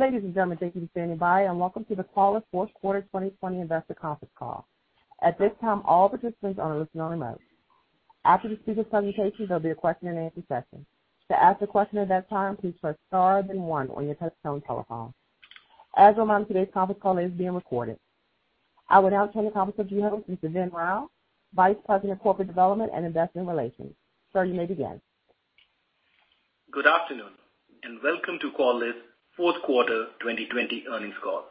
Ladies and gentlemen, thank you for standing by, and welcome to the Qualys fourth quarter 2020 investor conference call. At this time all the are on listen-only mode. After the, there will be a question and answer session. To ask a question, press star then one on your touchtone telephone. As a reminder today call may be recorded. I would now turn the conference over to Vin Rao, Vice President of Corporate Development and Investor Relations. Sir, you may begin. Good afternoon, and welcome to Qualys fourth quarter 2020 earnings call.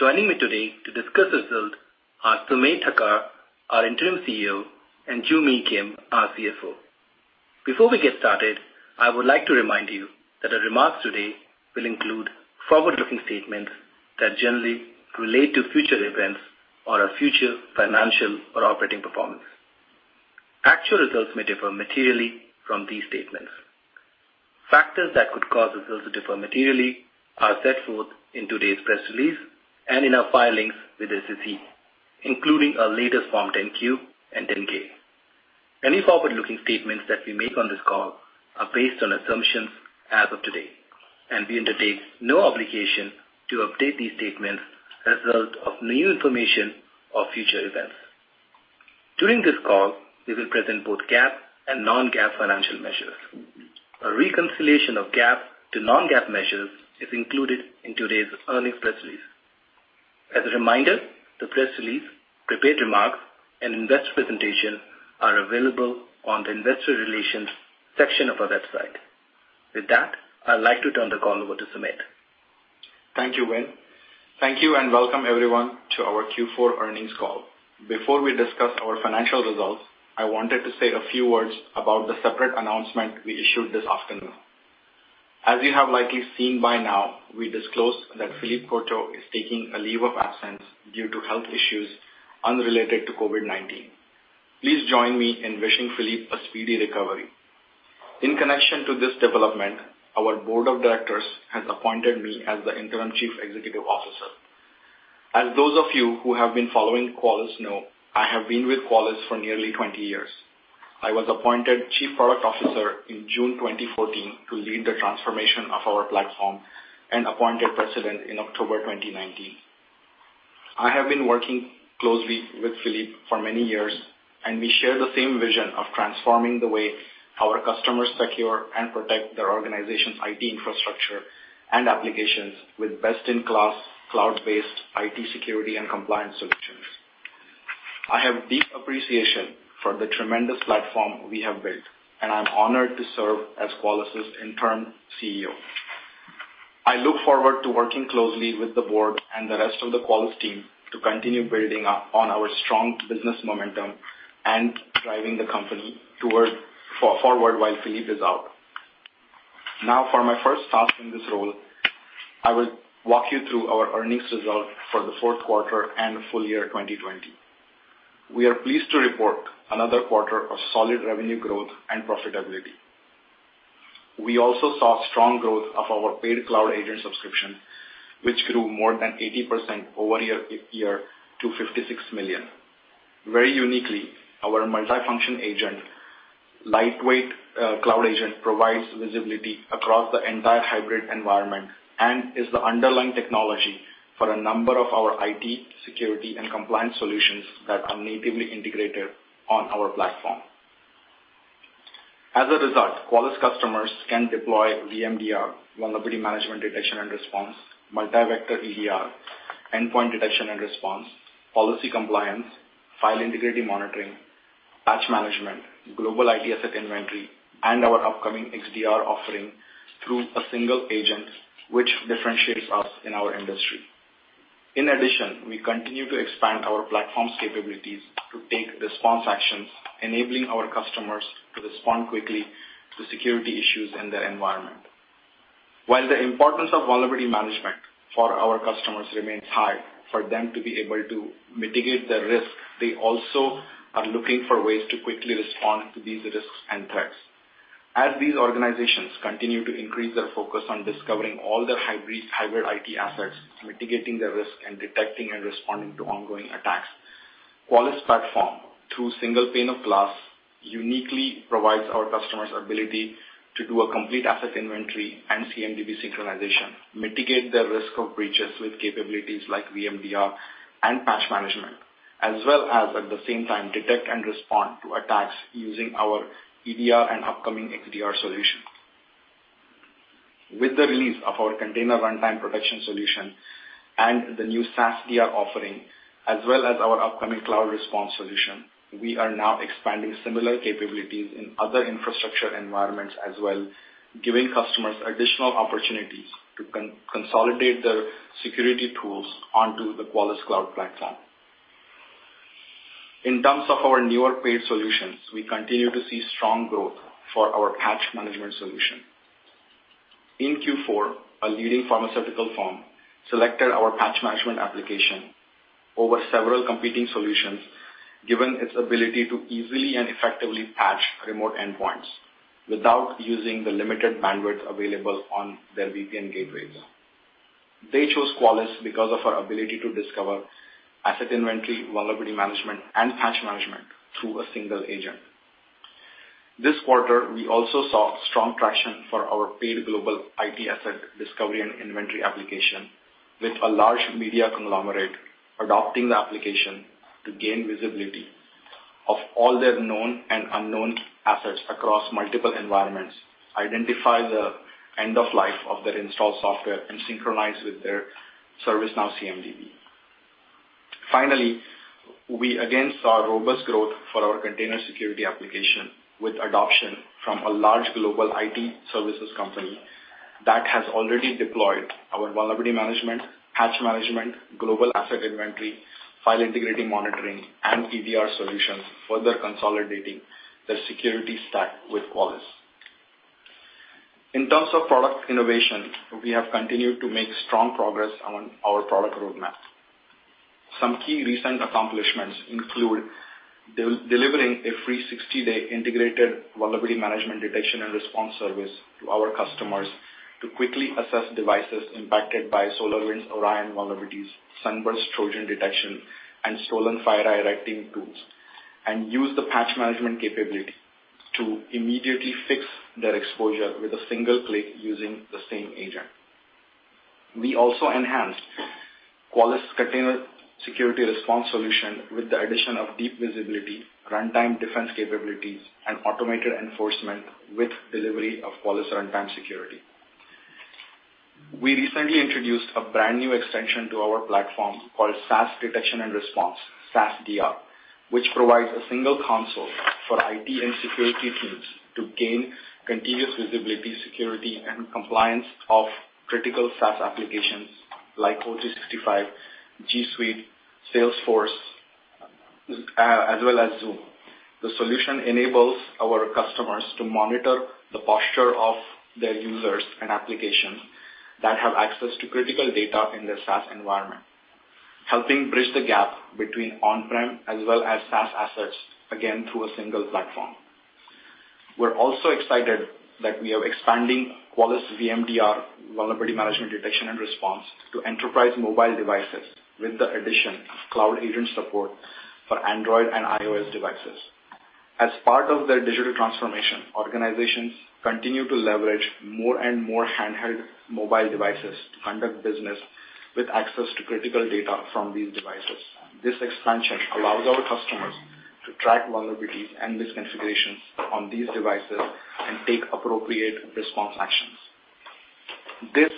Joining me today to discuss results are Sumedh Thakar, our Interim CEO, and Joo Mi Kim, our CFO. Before we get started, I would like to remind you that our remarks today will include forward-looking statements that generally relate to future events or our future financial or operating performance. Actual results may differ materially from these statements. Factors that could cause results to differ materially are set forth in today's press release and in our filings with the SEC, including our latest Form 10-Q and 10-K. Any forward-looking statements that we make on this call are based on assumptions as of today, and we undertake no obligation to update these statements as a result of new information or future events. During this call, we will present both GAAP and non-GAAP financial measures. A reconciliation of GAAP to non-GAAP measures is included in today's earnings press release. As a reminder, the press release, prepared remarks, and investor presentation are available on the investor relations section of our website. With that, I'd like to turn the call over to Sumedh. Thank you, Vin. Thank you and welcome everyone to our Q4 earnings call. Before we discuss our financial results, I wanted to say a few words about the separate announcement we issued this afternoon. As you have likely seen by now, we disclose that Philippe Courtot is taking a leave of absence due to health issues unrelated to COVID-19. Please join me in wishing Philippe a speedy recovery. In connection to this development, our board of directors has appointed me as the interim Chief Executive Officer. As those of you who have been following Qualys know, I have been with Qualys for nearly 20 years. I was appointed Chief Product Officer in June 2014 to lead the transformation of our platform and appointed President in October 2019. I have been working closely with Philippe for many years, and we share the same vision of transforming the way our customers secure and protect their organization's IT infrastructure and applications with best-in-class cloud-based IT security and compliance solutions. I have deep appreciation for the tremendous platform we have built, and I'm honored to serve as Qualys' interim CEO. I look forward to working closely with the board and the rest of the Qualys team to continue building up on our strong business momentum and driving the company forward while Philippe is out. Now for my first task in this role, I will walk you through our earnings results for the fourth quarter and full year 2020. We are pleased to report another quarter of solid revenue growth and profitability. We also saw strong growth of our paid Cloud Agent subscription, which grew more than 80% year-over-year to $56 million. Very uniquely, our multifunction, lightweight Cloud Agent provides visibility across the entire hybrid environment and is the underlying technology for a number of our IT security and compliance solutions that are natively integrated on our platform. As a result, Qualys customers can deploy VMDR, Vulnerability Management Detection and Response, Multi-Vector EDR, Endpoint Detection and Response, policy compliance, file integrity monitoring, Patch Management, Global IT Asset Inventory, and our upcoming XDR offering through a single agent, which differentiates us in our industry. In addition, we continue to expand our platform's capabilities to take response actions, enabling our customers to respond quickly to security issues in their environment. While the importance of vulnerability management for our customers remains high for them to be able to mitigate the risk, they also are looking for ways to quickly respond to these risks and threats. As these organizations continue to increase their focus on discovering all their hybrid IT assets, mitigating the risk, and detecting and responding to ongoing attacks, Qualys platform, through single pane of glass, uniquely provides our customers ability to do a complete asset inventory and CMDB synchronization, mitigate the risk of breaches with capabilities like VMDR and Patch Management, as well as at the same time, detect and respond to attacks using our EDR and upcoming XDR solution. With the release of our container runtime protection solution and the new SaaS DR offering, as well as our upcoming cloud response solution, we are now expanding similar capabilities in other infrastructure environments as well, giving customers additional opportunities to consolidate their security tools onto the Qualys Cloud Platform. In terms of our newer paid solutions, we continue to see strong growth for our Patch Management solution. In Q4, a leading pharmaceutical firm selected our Patch Management application over several competing solutions, given its ability to easily and effectively patch remote endpoints without using the limited bandwidth available on their VPN gateways. They chose Qualys because of our ability to discover Asset Inventory, Vulnerability Management, and Patch Management through a single agent. This quarter, we also saw strong traction for our paid Global IT Asset Discovery and Inventory application with a large media conglomerate adopting the application to gain visibility of all their known and unknown assets across multiple environments, identify the end of life of their installed software, and synchronize with their ServiceNow CMDB. Finally, we again saw robust growth for our Container Security application with adoption from a large global IT services company that has already deployed our vulnerability management, Patch Management, Global IT Asset Inventory, file integrity monitoring, and EDR solutions, further consolidating the security stack with Qualys. In terms of product innovation, we have continued to make strong progress on our product roadmap. Some key recent accomplishments include delivering a free 60-day integrated Vulnerability Management Detection and Response service to our customers to quickly assess devices impacted by SolarWinds Orion vulnerabilities, SUNBURST Trojan detection, and stolen FireEye hacking tools, and use the Patch Management capability to immediately fix their exposure with a single click using the same agent. We also enhanced Qualys Container Security Response solution with the addition of deep visibility, runtime defense capabilities, and automated enforcement with delivery of Qualys Runtime Security. We recently introduced a brand-new extension to our platform called SaaS Detection and Response, SaaS DR, which provides a single console for IT and security teams to gain continuous visibility, security, and compliance of critical SaaS applications like O365, G Suite, Salesforce, as well as Zoom. The solution enables our customers to monitor the posture of their users and applications that have access to critical data in their SaaS environment, helping bridge the gap between on-prem as well as SaaS assets, again, through a single platform. We're also excited that we are expanding Qualys VMDR, Vulnerability Management Detection and Response, to enterprise mobile devices with the addition of Cloud Agent support for Android and iOS devices. As part of their digital transformation, organizations continue to leverage more and more handheld mobile devices to conduct business with access to critical data from these devices. This expansion allows our customers to track vulnerabilities and misconfigurations on these devices and take appropriate response actions.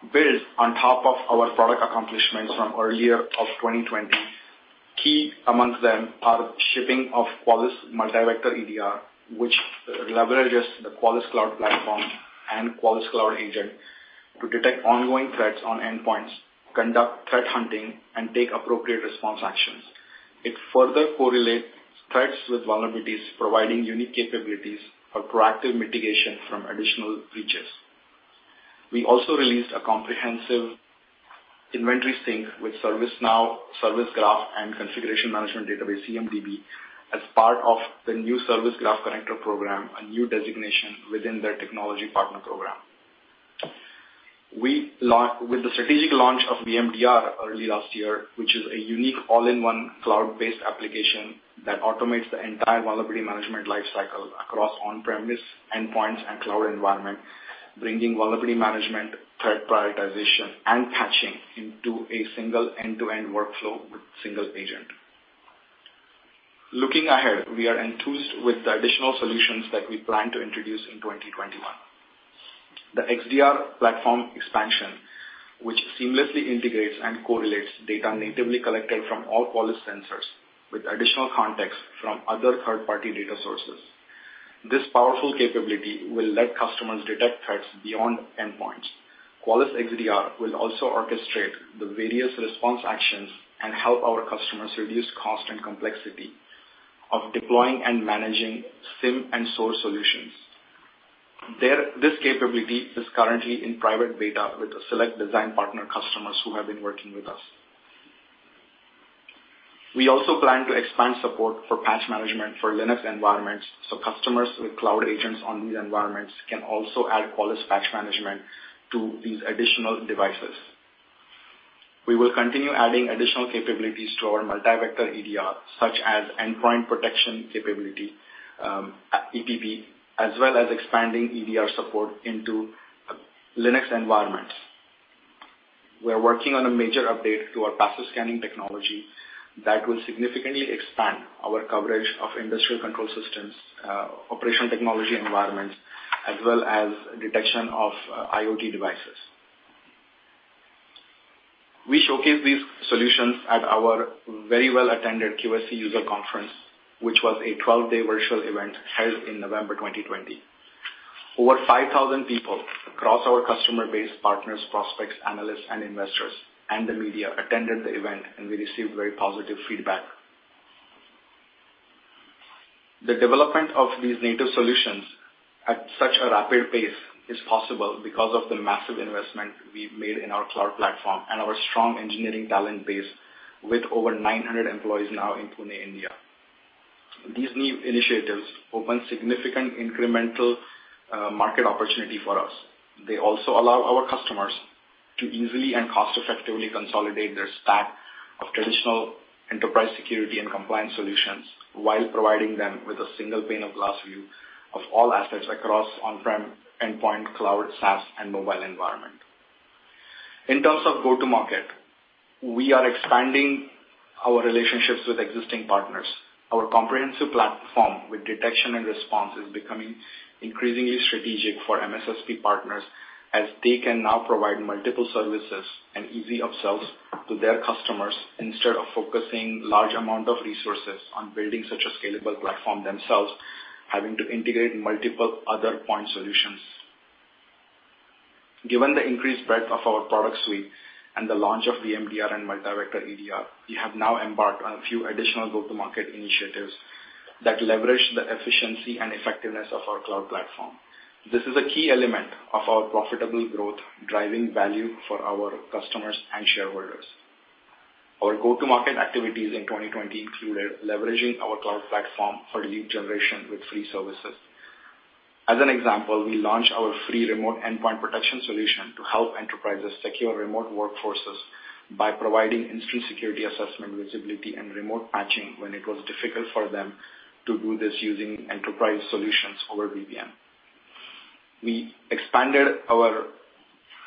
This builds on top of our product accomplishments from earlier of 2020. Key amongst them are shipping of Qualys Multi-Vector EDR, which leverages the Qualys cloud platform and Qualys Cloud Agent to detect ongoing threats on endpoints, conduct threat hunting, and take appropriate response actions. It further correlates threats with vulnerabilities, providing unique capabilities for proactive mitigation from additional breaches. We also released a comprehensive inventory sync with ServiceNow, Service Graph, and Configuration Management Database, CMDB, as part of the new Service Graph Connector program, a new designation within their technology partner program. With the strategic launch of VMDR early last year, which is a unique all-in-one cloud-based application that automates the entire vulnerability management life cycle across on-premise endpoints and cloud environment, bringing vulnerability management, threat prioritization, and patching into a single end-to-end workflow with single agent. Looking ahead, we are enthused with the additional solutions that we plan to introduce in 2021. The XDR platform expansion, which seamlessly integrates and correlates data natively collected from all Qualys sensors with additional context from other third-party data sources. This powerful capability will let customers detect threats beyond endpoints. Qualys XDR will also orchestrate the various response actions and help our customers reduce cost and complexity of deploying and managing SIEM and SOAR solutions. This capability is currently in private beta with select design partner customers who have been working with us. We also plan to expand support for Patch Management for Linux environments, so customers with Cloud Agents on these environments can also add Qualys Patch Management to these additional devices. We will continue adding additional capabilities to our Multi-Vector EDR, such as endpoint protection capability, EPP, as well as expanding EDR support into Linux environments. We're working on a major update to our passive scanning technology that will significantly expand our coverage of industrial control systems, operation technology environments, as well as detection of IoT devices. We showcase these solutions at our very well-attended QSC user conference, which was a 12-day virtual event held in November 2020. Over 5,000 people across our customer base, partners, prospects, analysts, and investors, and the media attended the event, and we received very positive feedback. The development of these native solutions at such a rapid pace is possible because of the massive investment we've made in our cloud platform and our strong engineering talent base with over 900 employees now in Pune, India. These new initiatives open significant incremental market opportunity for us. They also allow our customers to easily and cost-effectively consolidate their stack of traditional enterprise security and compliance solutions while providing them with a single pane of glass view of all aspects across on-prem, endpoint, cloud, SaaS, and mobile environment. In terms of go-to-market, we are expanding our relationships with existing partners. Our comprehensive platform with detection and response is becoming increasingly strategic for MSSP partners, as they can now provide multiple services and easy upsells to their customers instead of focusing large amount of resources on building such a scalable platform themselves, having to integrate multiple other point solutions. Given the increased breadth of our product suite and the launch of VMDR and Multi-Vector EDR, we have now embarked on a few additional go-to-market initiatives that leverage the efficiency and effectiveness of our cloud platform. This is a key element of our profitable growth, driving value for our customers and shareholders. Our go-to-market activities in 2020 included leveraging our cloud platform for lead generation with free services. As an example, we launched our free remote endpoint protection solution to help enterprises secure remote workforces by providing industry security assessment visibility and remote patching when it was difficult for them to do this using enterprise solutions over VPN. We expanded our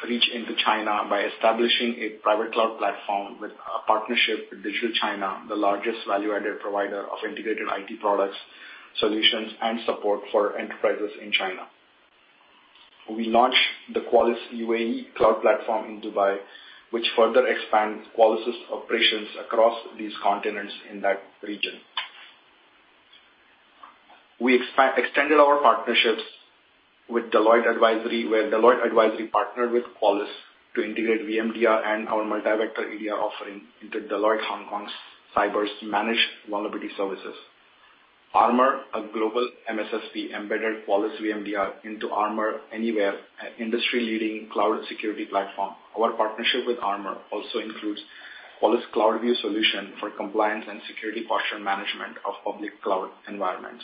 reach into China by establishing a private cloud platform with a partnership with Digital China, the largest value-added provider of integrated IT products, solutions, and support for enterprises in China. We launched the Qualys UAE cloud platform in Dubai, which further expands Qualys' operations across these continents in that region. We extended our partnerships with Deloitte Advisory, where Deloitte Advisory partnered with Qualys to integrate VMDR and our Multi-Vector EDR offering into Deloitte Hong Kong's cyber managed vulnerability services. Armor, a global MSSP, embedded Qualys VMDR into Armor Anywhere, an industry-leading cloud security platform. Our partnership with Armor also includes Qualys CloudView solution for compliance and security posture management of public cloud environments.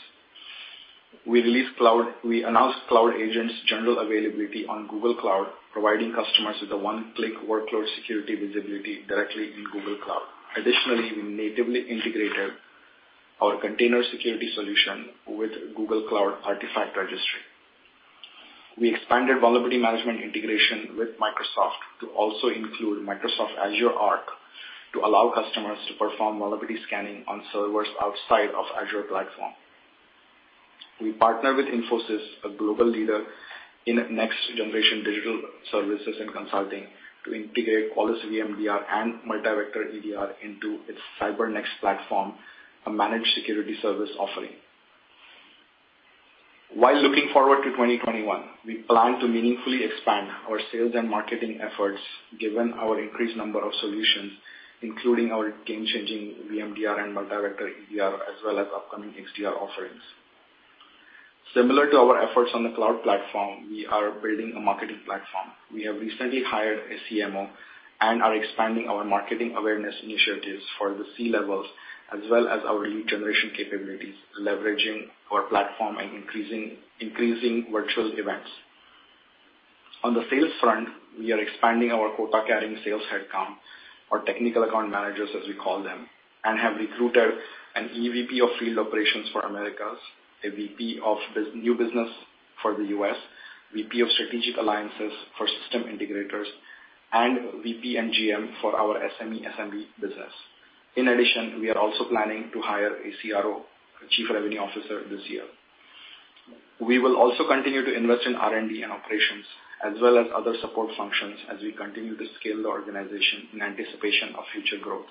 We announced Cloud Agent's general availability on Google Cloud, providing customers with a one-click workload security visibility directly in Google Cloud. Additionally, we natively integrated our Container Security solution with Google Cloud Artifact Registry. We expanded vulnerability management integration with Microsoft to also include Microsoft Azure Arc to allow customers to perform vulnerability scanning on servers outside of Azure platform. We partner with Infosys, a global leader in next-generation digital services and consulting, to integrate Qualys VMDR and Multi-Vector EDR into its CyberNext platform, a managed security service offering. Looking forward to 2021, we plan to meaningfully expand our sales and marketing efforts given our increased number of solutions, including our game-changing VMDR and Multi-Vector EDR, as well as upcoming XDR offerings. Similar to our efforts on the cloud platform, we are building a marketing platform. We have recently hired a CMO and are expanding our marketing awareness initiatives for the C-levels as well as our lead generation capabilities, leveraging our platform and increasing virtual events. On the sales front, we are expanding our quota-carrying sales headcount, our technical account managers, as we call them, and have recruited an EVP of field operations for Americas, a VP of new business for the U.S., VP of strategic alliances for system integrators, and VP and GM for our SME/SMB business. In addition, we are also planning to hire a CRO, a Chief Revenue Officer, this year. We will also continue to invest in R&D and operations, as well as other support functions as we continue to scale the organization in anticipation of future growth.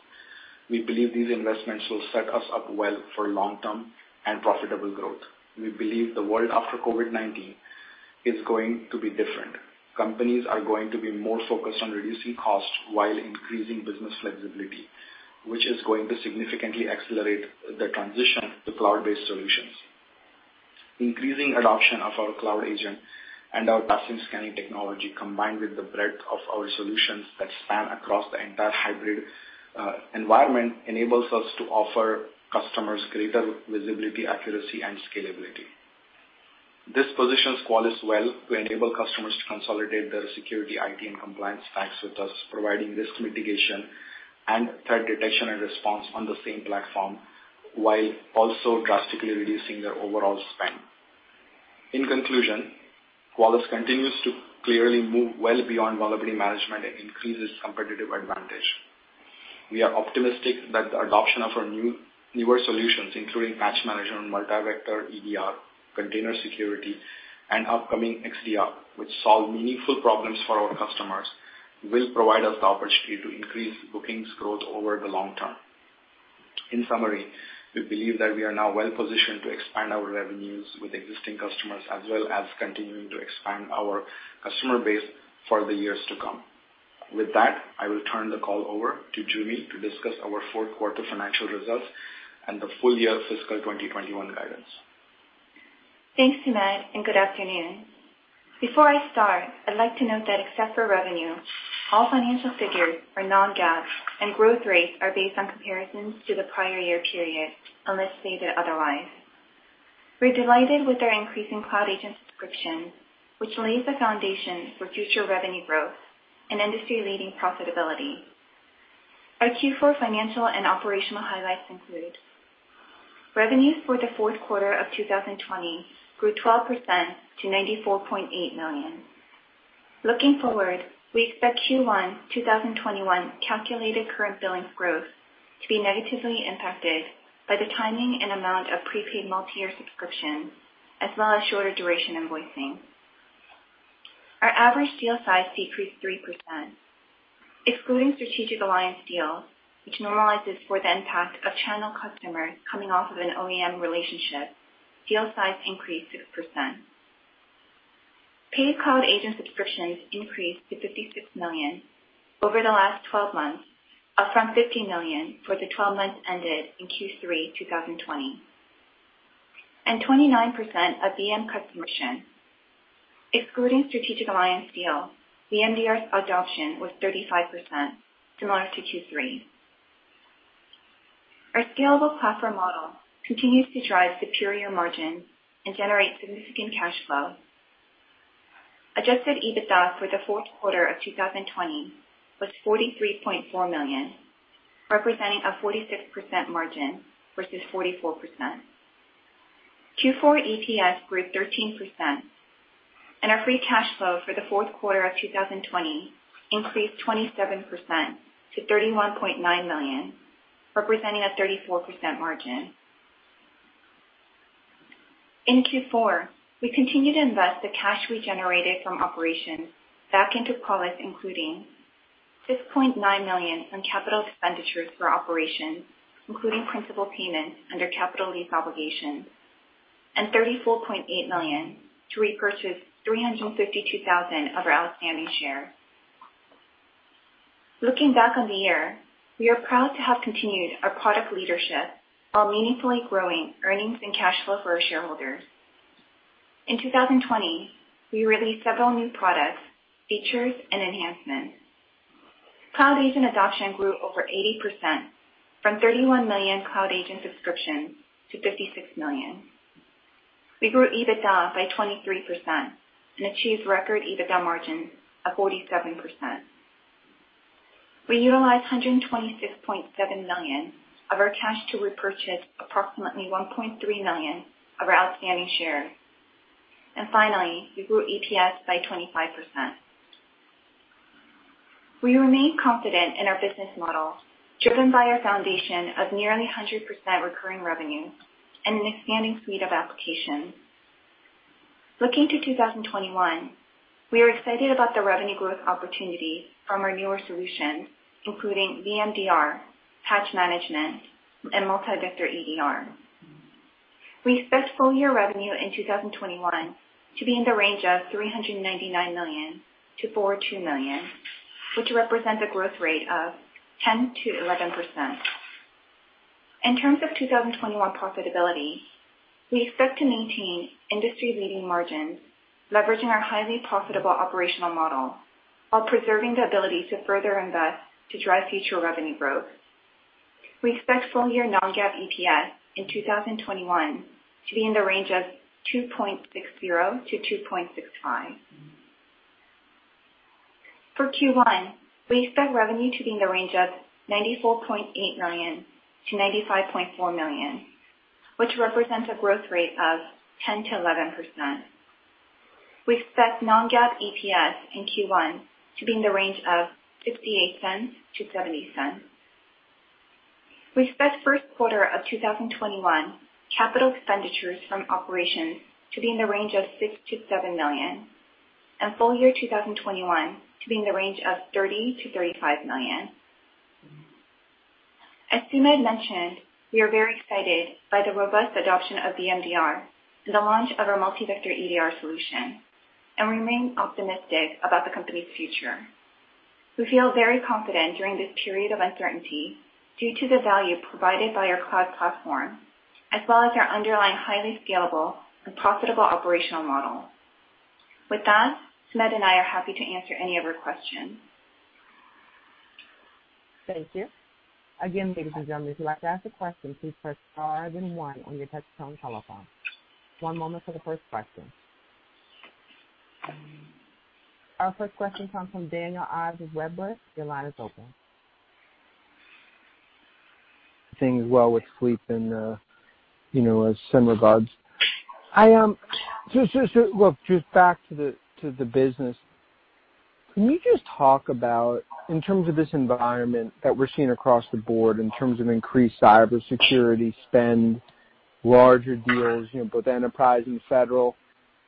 We believe these investments will set us up well for long-term and profitable growth. We believe the world after COVID-19 is going to be different. Companies are going to be more focused on reducing costs while increasing business flexibility, which is going to significantly accelerate the transition to cloud-based solutions. Increasing adoption of our Cloud Agent and our passive scanning technology, combined with the breadth of our solutions that span across the entire hybrid environment, enables us to offer customers greater visibility, accuracy, and scalability. This positions Qualys well to enable customers to consolidate their security, IT, and compliance stacks with us, providing risk mitigation and threat detection and response on the same platform, while also drastically reducing their overall spend. In conclusion, Qualys continues to clearly move well beyond vulnerability management and increase its competitive advantage. We are optimistic that the adoption of our newer solutions, including Patch Management, Multi-Vector EDR, Container Security, and upcoming XDR, which solve meaningful problems for our customers, will provide us the opportunity to increase bookings growth over the long term. In summary, we believe that we are now well-positioned to expand our revenues with existing customers, as well as continuing to expand our customer base for the years to come. With that, I will turn the call over to Joo Mi to discuss our fourth quarter financial results and the full year fiscal 2021 guidance. Thanks, Sumedh. Good afternoon. Before I start, I'd like to note that except for revenue, all financial figures are non-GAAP, and growth rates are based on comparisons to the prior year period, unless stated otherwise. We're delighted with our increasing Cloud Agent subscription, which lays the foundation for future revenue growth and industry-leading profitability. Our Q4 financial and operational highlights include: revenues for the fourth quarter of 2020 grew 12% to $94.8 million. Looking forward, we expect Q1 2021 calculated current billings growth to be negatively impacted by the timing and amount of prepaid multi-year subscription, as well as shorter duration invoicing. Our average deal size decreased 3%. Excluding strategic alliance deals, which normalizes for the impact of channel customers coming off of an OEM relationship, deal size increased 6%. Paid Cloud Agent subscriptions increased to $56 million over the last 12 months, up from $50 million for the 12 months ended in Q3 2020. 29% of VM customer. Excluding strategic alliance deals, VMDR adoption was 35%, similar to Q3. Our scalable platform model continues to drive superior margin and generate significant cash flow. Adjusted EBITDA for the fourth quarter of 2020 was $43.4 million, representing a 46% margin versus 44%. Q4 EPS grew 13%, and our free cash flow for the fourth quarter of 2020 increased 27% to $31.9 million, representing a 34% margin. In Q4, we continued to invest the cash we generated from operations back into Qualys, including $6.9 million on capital expenditures for operations, including principal payments under capital lease obligations, and $34.8 million to repurchase 352,000 of our outstanding shares. Looking back on the year, we are proud to have continued our product leadership while meaningfully growing earnings and cash flow for our shareholders. In 2020, we released several new products, features, and enhancements. Cloud Agent adoption grew over 80%, from 31 million Cloud Agent subscriptions to 56 million. We grew EBITDA by 23% and achieved record EBITDA margins of 47%. We utilized $126.7 million of our cash to repurchase approximately 1.3 million of our outstanding shares. Finally, we grew EPS by 25%. We remain confident in our business model, driven by our foundation of nearly 100% recurring revenue and an expanding suite of applications. Looking to 2021, we are excited about the revenue growth opportunity from our newer solutions, including VMDR, Patch Management, and Multi-Vector EDR. We expect full-year revenue in 2021 to be in the range of $399-402 million, which represents a growth rate of 10%-11%. In terms of 2021 profitability, we expect to maintain industry-leading margins, leveraging our highly profitable operational model while preserving the ability to further invest to drive future revenue growth. We expect full-year non-GAAP EPS in 2021 to be in the range of $2.60-2.65. For Q1, we expect revenue to be in the range of $94.8 million-$95.4 million, which represents a growth rate of 10%-11%. We expect non-GAAP EPS in Q1 to be in the range of $0.68-$0.70. We expect first quarter of 2021 capital expenditures from operations to be in the range of $6-7 million and full-year 2021 to be in the range of $30-35 million. As Sumedh mentioned, we are very excited by the robust adoption of VMDR and the launch of our Multi-Vector EDR solution and remain optimistic about the company's future. We feel very confident during this period of uncertainty due to the value provided by our cloud platform, as well as our underlying highly scalable and profitable operational model. With that, Sumedh and I are happy to answer any of your questions. Thank you. Again, ladies and gentlemen, if you'd like to ask a question, please press star then one on your touchtone telephone. One moment for the first question. Our first question comes from Daniel Ives with Wedbush. Your line is open. Things well with Phillippe and some regards. Just back to the business, can you just talk about, in terms of this environment that we're seeing across the board in terms of increased cybersecurity spend, larger deals, both enterprise and federal,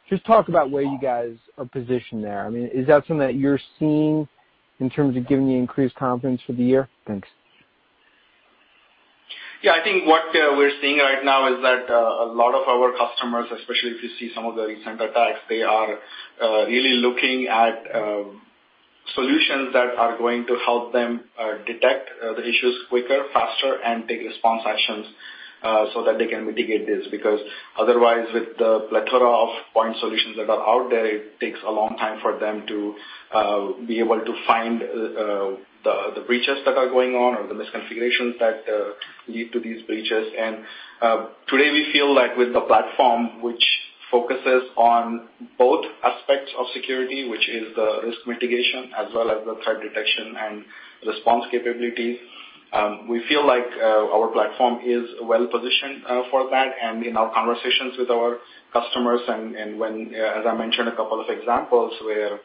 just talk about where you guys are positioned there. Is that something that you're seeing in terms of giving you increased confidence for the year? Thanks. Yeah, I think what we're seeing right now is that a lot of our customers, especially if you see some of the recent attacks, they are really looking at solutions that are going to help them detect the issues quicker, faster, and take response actions so that they can mitigate this. Otherwise, with the plethora of point solutions that are out there, it takes a long time for them to be able to find the breaches that are going on or the misconfigurations that lead to these breaches. Today we feel like with the platform, which focuses on both aspects of security, which is the risk mitigation as well as the threat detection and response capabilities, we feel like our platform is well-positioned for that. In our conversations with our customers and as I mentioned, a couple of examples where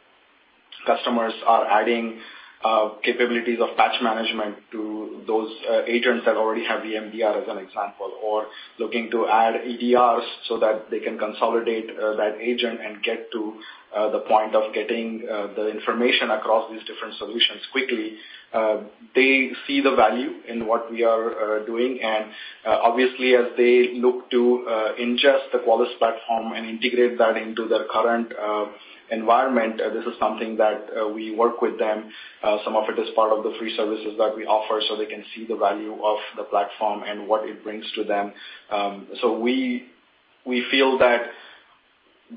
customers are adding capabilities of Patch Management to those agents that already have VMDR as an example, or looking to add EDRs so that they can consolidate that agent and get to the point of getting the information across these different solutions quickly. They see the value in what we are doing. Obviously as they look to ingest the Qualys platform and integrate that into their current environment, this is something that we work with them. Some of it is part of the free services that we offer so they can see the value of the platform and what it brings to them. We feel that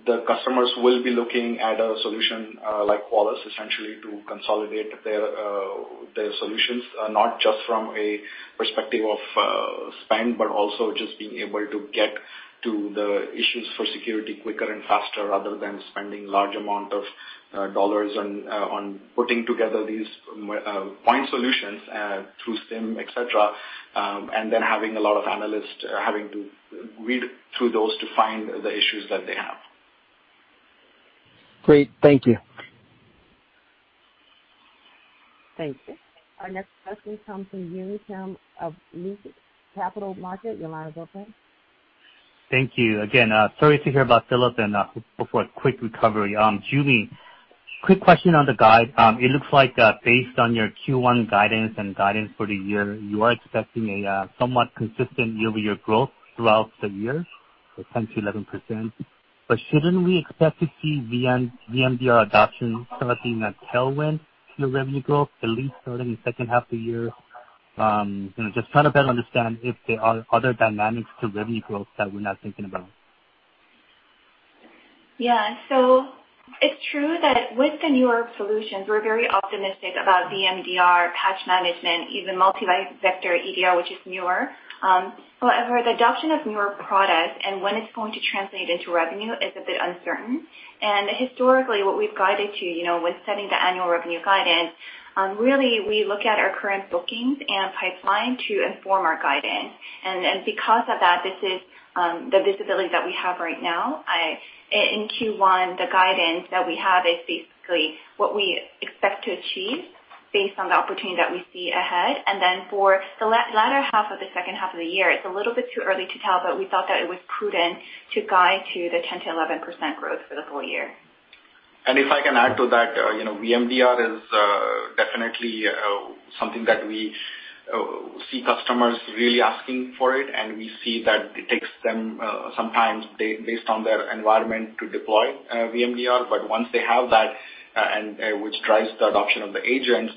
the customers will be looking at a solution like Qualys essentially to consolidate their solutions, not just from a perspective of spend, but also just being able to get to the issues for security quicker and faster, rather than spending large amount of dollars on putting together these point solutions through SIEM, et cetera. Having a lot of analysts having to read through those to find the issues that they have. Great. Thank you. Thank you. Our next question comes from Yun Kim of Loop Capital Markets. Your line is open. Thank you again. Sorry to hear about Philippe and hope for a quick recovery. Joo Mi, quick question on the guide. It looks like based on your Q1 guidance and guidance for the year, you are expecting a somewhat consistent year-over-year growth throughout the year for 10%-11%. Shouldn't we expect to see VMDR adoption starting a tailwind to the revenue growth, at least starting the second half of the year? Just trying to better understand if there are other dynamics to revenue growth that we're not thinking about. It's true that with the newer solutions, we're very optimistic about VMDR, Patch Management, even Multi-Vector EDR, which is newer. However, the adoption of newer products and when it's going to translate into revenue is a bit uncertain. Historically, what we've guided to when setting the annual revenue guidance, really we look at our current bookings and pipeline to inform our guidance. Because of that, this is the visibility that we have right now. In Q1, the guidance that we have is basically what we expect to achieve based on the opportunity that we see ahead. For the latter half of the second half of the year, it's a little bit too early to tell, but we thought that it was prudent to guide to the 10%-11% growth for the full year. If I can add to that, VMDR is definitely something that we see customers really asking for it, and we see that it takes them sometimes based on their environment to deploy VMDR. Once they have that, which drives the adoption of the agent,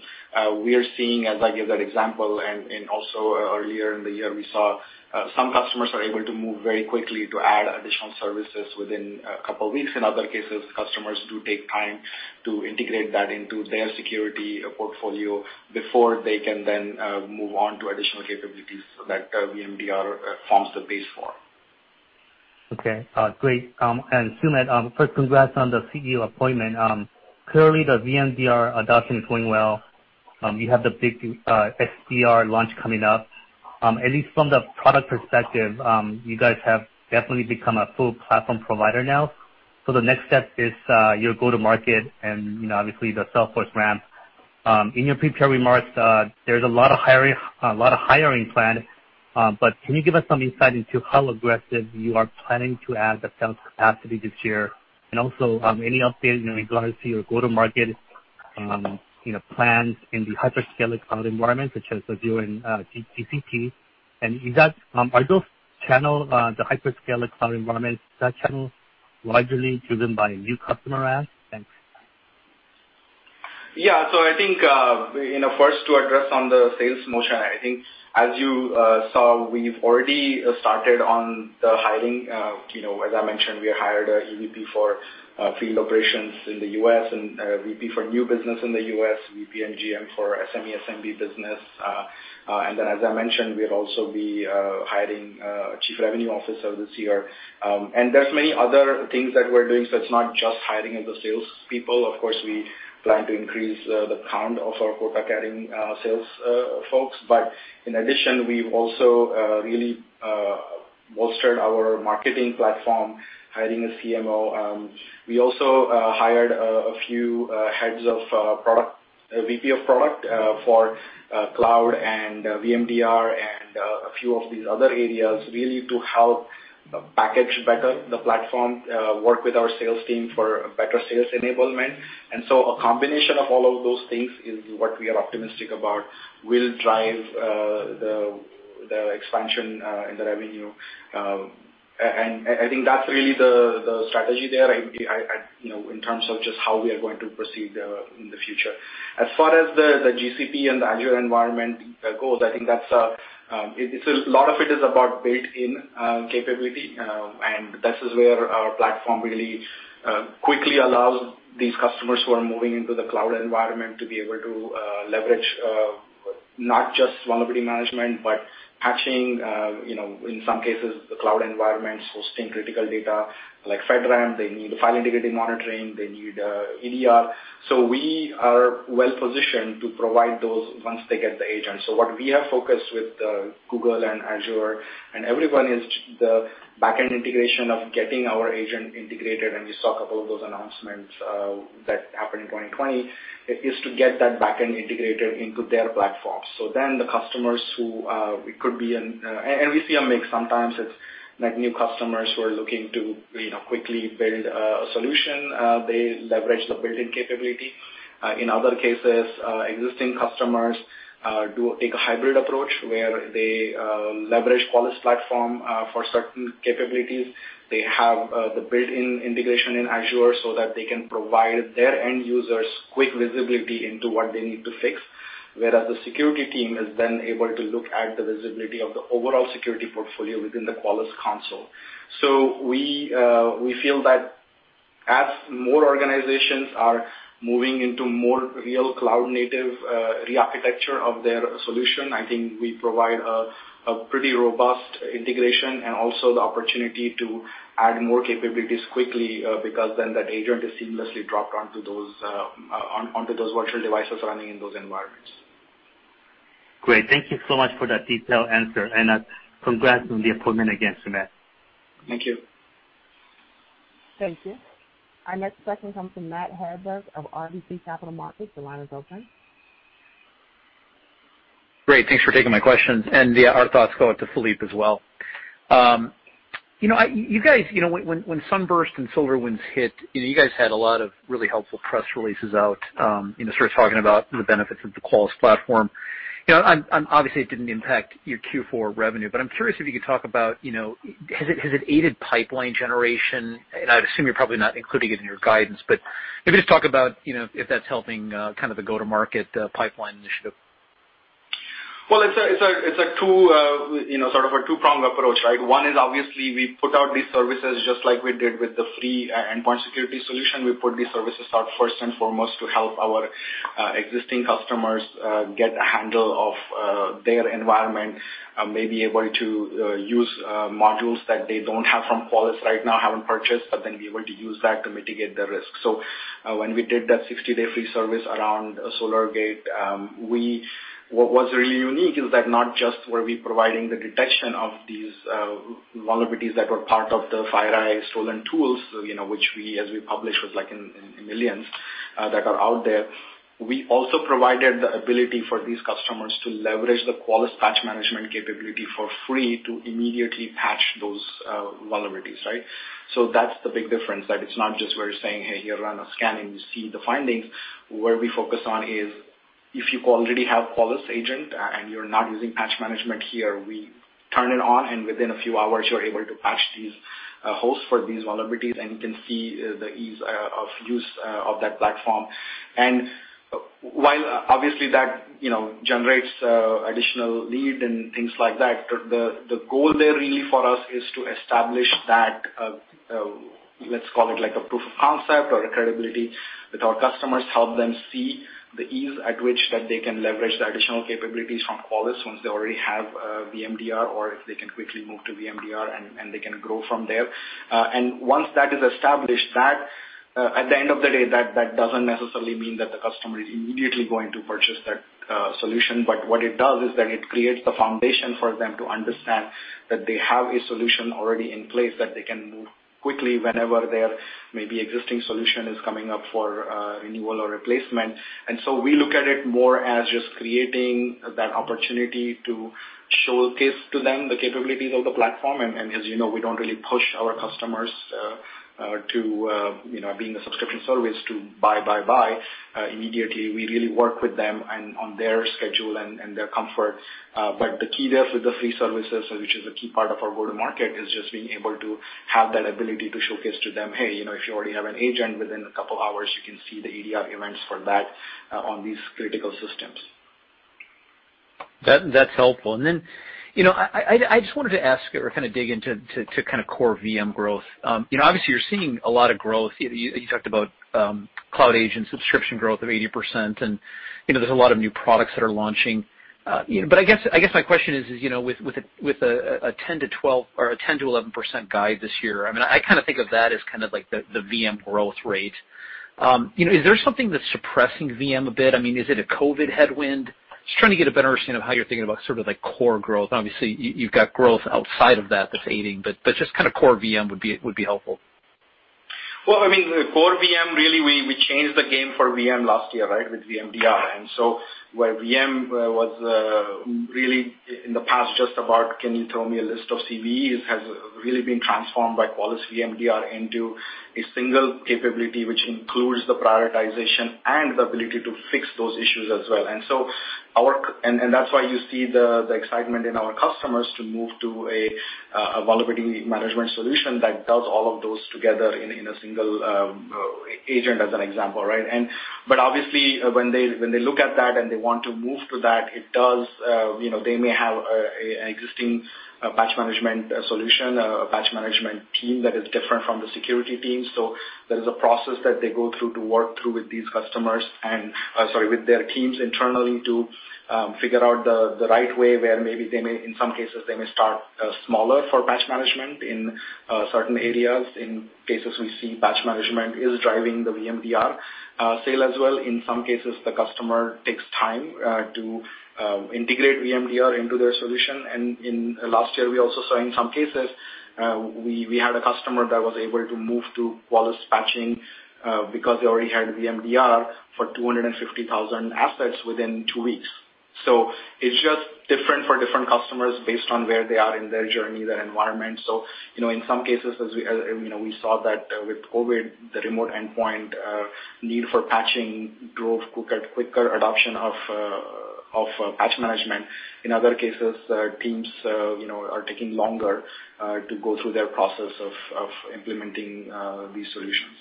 we are seeing, as I give that example, and also earlier in the year, we saw some customers are able to move very quickly to add additional services within a couple of weeks. In other cases, customers do take time to integrate that into their security portfolio before they can then move on to additional capabilities so that VMDR forms the base for. Okay. Great. Sumedh, first congrats on the CEO appointment. Clearly the VMDR adoption is going well. You have the big XDR launch coming up. At least from the product perspective, you guys have definitely become a full platform provider now. So the next step is your go to market and obviously the Salesforce ramp. In your prepared remarks, there is a lot of hiring planned. Can you give us some insight into how aggressive you are planning to add the sales capacity this year? Also any update in regards to your go to market plans in the hyperscaler cloud environment, such as Azure and GCP? Are those channel, the hyperscaler cloud environment, that channel largely driven by new customer adds? Thanks. Yeah. I think first to address on the sales motion, I think as you saw, we've already started on the hiring. As I mentioned, we hired a EVP for field operations in the U.S., and a VP for new business in the U.S., VP and GM for SME/SMB business. As I mentioned, we'll also be hiring a chief revenue officer this year. There's many other things that we're doing. It's not just hiring of the sales people. Of course, we plan to increase the count of our quota-carrying sales folks. In addition, we've also really bolstered our marketing platform, hiring a CMO. We also hired a few heads of product, VP of product for cloud and VMDR and a few of these other areas, really to help package better the platform, work with our sales team for better sales enablement. A combination of all of those things is what we are optimistic about will drive the expansion in the revenue. I think that's really the strategy there in terms of just how we are going to proceed in the future. As far as the GCP and the Azure environment goes, I think a lot of it is about built-in capability, and this is where our platform really quickly allows these customers who are moving into the cloud environment to be able to leverage not just vulnerability management, but patching, in some cases, the cloud environments, hosting critical data like FedRAMP. They need file integrity monitoring. They need EDR. We are well-positioned to provide those once they get the agent. What we have focused with Google and Azure and everyone is the back-end integration of getting our agent integrated, and you saw a couple of those announcements that happened in 2020, is to get that back end integrated into their platforms. We see a mix sometimes it's like new customers who are looking to quickly build a solution, they leverage the built-in capability. In other cases, existing customers do take a hybrid approach where they leverage Qualys platform for certain capabilities. They have the built-in integration in Azure so that they can provide their end users quick visibility into what they need to fix, whereas the security team is then able to look at the visibility of the overall security portfolio within the Qualys console. We feel that as more organizations are moving into more real cloud-native re-architecture of their solution, I think we provide a pretty robust integration and also the opportunity to add more capabilities quickly because then that agent is seamlessly dropped onto those virtual devices running in those environments. Great. Thank you so much for that detailed answer. Congrats on the appointment again, Sumedh. Thank you. Thank you. Our next question comes from Matt Hedberg of RBC Capital Markets. Your line is open. Great. Thanks for taking my questions. Yeah, our thoughts go out to Philippe as well. When SUNBURST and SolarWinds hit, you guys had a lot of really helpful press releases out, sort of talking about the benefits of the Qualys platform. Obviously, it didn't impact your Q4 revenue, but I'm curious if you could talk about, has it aided pipeline generation? I'd assume you're probably not including it in your guidance, but if you just talk about if that's helping kind of the go-to-market pipeline initiative. Well, it's a sort of a two-pronged approach, right? One is obviously we put out these services just like we did with the free endpoint security solution. We put these services out first and foremost to help our existing customers get a handle of their environment, maybe able to use modules that they don't have from Qualys right now, haven't purchased, but then be able to use that to mitigate the risk. When we did that 60-day free service around SolarWinds, what was really unique is that not just were we providing the detection of these vulnerabilities that were part of the FireEye stolen tools, which as we published, was like in millions that are out there. We also provided the ability for these customers to leverage the Qualys Patch Management capability for free to immediately patch those vulnerabilities, right? That's the big difference, that it's not just we're saying, "Hey, here, run a scan and you see the findings." Where we focus on is if you already have Qualys agent and you're not using Patch Management here, we turn it on, and within a few hours, you're able to patch these hosts for these vulnerabilities, and you can see the ease of use of that platform. While obviously that generates additional lead and things like that, the goal there really for us is to establish that, let's call it like a proof of concept or credibility with our customers, help them see the ease at which that they can leverage the additional capabilities from Qualys once they already have VMDR or if they can quickly move to VMDR and they can grow from there. Once that is established, at the end of the day, that doesn't necessarily mean that the customer is immediately going to purchase that solution. What it does is that it creates the foundation for them to understand that they have a solution already in place that they can move quickly whenever their maybe existing solution is coming up for renewal or replacement. We look at it more as just creating that opportunity to showcase to them the capabilities of the platform. As you know, we don't really push our customers to, being a subscription service, to buy, buy immediately. We really work with them and on their schedule and their comfort. The key there for the free services, which is a key part of our go-to-market, is just being able to have that ability to showcase to them, "Hey, if you already have an agent, within a couple of hours, you can see the EDR events for that on these critical systems. That's helpful. I just wanted to ask or kind of dig into kind of core VM growth. Obviously, you're seeing a lot of growth. You talked about Cloud Agent subscription growth of 80%, and there's a lot of new products that are launching. I guess my question is, with a 10%-11% guide this year, I mean, I kind of think of that as kind of like the VM growth rate. Is there something that's suppressing VM a bit? I mean, is it a COVID headwind? Just trying to get a better understanding of how you're thinking about sort of like core growth. Obviously, you've got growth outside of that's aiding, but just kind of core VM would be helpful. Well, core VM, really, we changed the game for VM last year with VMDR. Where VM was really in the past just about, "Can you tell me a list of CVEs?" has really been transformed by Qualys VMDR into a single capability, which includes the prioritization and the ability to fix those issues as well. That's why you see the excitement in our customers to move to a vulnerability management solution that does all of those together in a single agent, as an example. Obviously when they look at that and they want to move to that, they may have an existing patch management solution, a patch management team that is different from the security team. There is a process that they go through to work through with their teams internally to figure out the right way where maybe in some cases, they may start smaller for Patch Management in certain areas. In cases we see Patch Management is driving the VMDR sale as well. In some cases, the customer takes time to integrate VMDR into their solution. Last year, we also saw in some cases, we had a customer that was able to move to Qualys patching, because they already had VMDR, for 250,000 assets within two weeks. It's just different for different customers based on where they are in their journey, their environment. In some cases, as we saw that with COVID, the remote endpoint need for patching drove quicker adoption of Patch Management. In other cases, teams are taking longer to go through their process of implementing these solutions.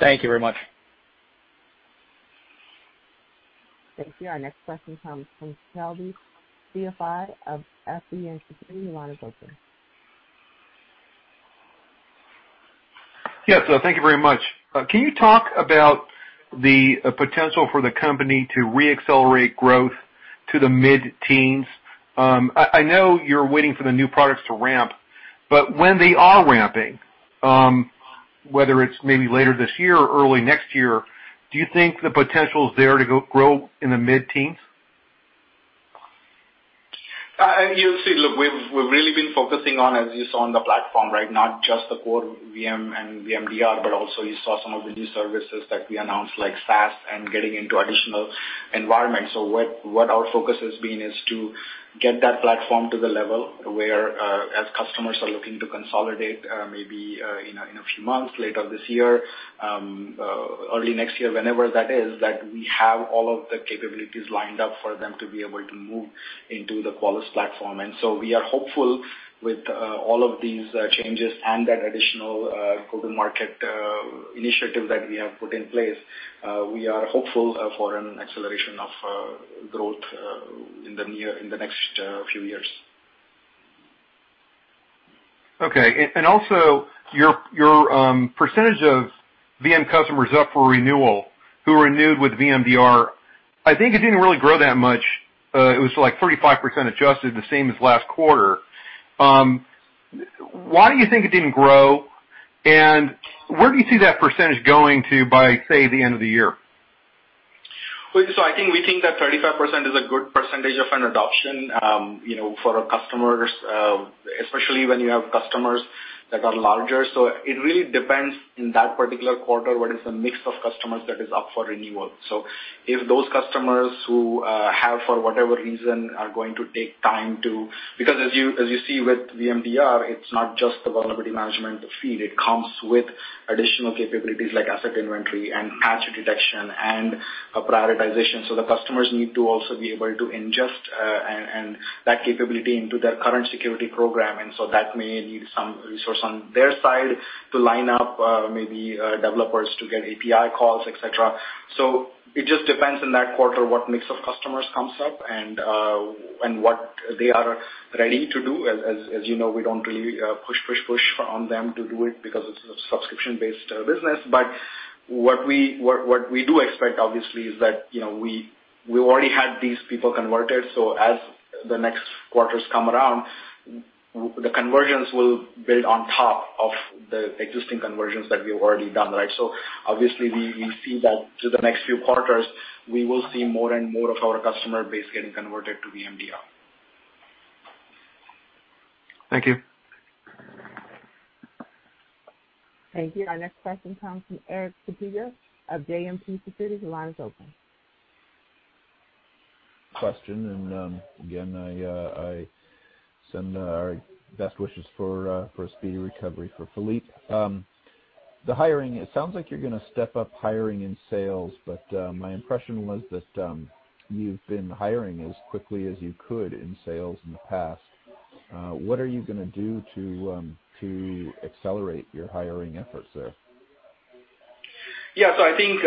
Thank you very much. Thank you. Our next question comes from Heldi, CFI of FBN Securities. Your line is open. Yes. Thank you very much. Can you talk about the potential for the company to re-accelerate growth to the mid-teens? I know you're waiting for the new products to ramp, but when they are ramping, whether it's maybe later this year or early next year, do you think the potential is there to grow in the mid-teens? You'll see, look, we've really been focusing on, as you saw on the platform, not just the core VM and VMDR, but also you saw some of the new services that we announced, like SaaS and getting into additional environments. What our focus has been is to get that platform to the level where, as customers are looking to consolidate, maybe in a few months, later this year, early next year, whenever that is, that we have all of the capabilities lined up for them to be able to move into the Qualys platform. We are hopeful with all of these changes and that additional go-to-market initiative that we have put in place. We are hopeful for an acceleration of growth in the next few years. Okay. Also, your percentage of VM customers up for renewal who renewed with VMDR, I think it didn't really grow that much. It was like 35% adjusted, the same as last quarter. Why do you think it didn't grow, and where do you see that percentage going to by, say, the end of the year? I think we think that 35% is a good percentage of an adoption for our customers, especially when you have customers that are larger. It really depends in that particular quarter, what is the mix of customers that is up for renewal. If those customers who have, for whatever reason, are going to take time to because as you see with VMDR, it's not just the vulnerability management feed. It comes with additional capabilities like asset inventory and patch detection and prioritization. The customers need to also be able to ingest that capability into their current security program, and so that may need some resource on their side to line up, maybe developers to get API calls, et cetera. It just depends on that quarter, what mix of customers comes up and what they are ready to do. As you know, we don't really push on them to do it because it's a subscription-based business. What we do expect, obviously, is that we already had these people converted. As the next quarters come around, the conversions will build on top of the existing conversions that we've already done. Obviously we see that through the next few quarters, we will see more and more of our customer base getting converted to VMDR. Thank you. Thank you. Our next question comes from Erik Suppiger of JMP Securities. Your line is open. Question, again, I send our best wishes for a speedy recovery for Philippe. The hiring, it sounds like you're going to step up hiring in sales, but my impression was that you've been hiring as quickly as you could in sales in the past. What are you going to do to accelerate your hiring efforts there? Yeah. I think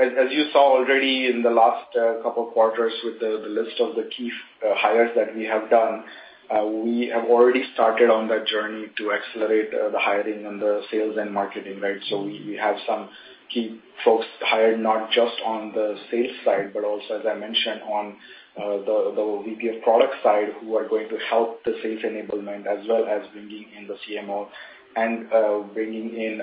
as you saw already in the last couple of quarters with the list of the key hires that we have done, we have already started on that journey to accelerate the hiring and the sales and marketing. We have some key folks hired, not just on the sales side, but also, as I mentioned, on the VP of Product side, who are going to help the sales enablement as well as bringing in the CMO and bringing in